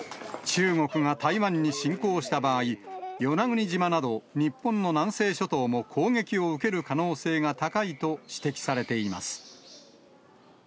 中国が台湾に侵攻した場合、与那国島など、日本の南西諸島も攻撃を受ける可能性が高いと指摘されています。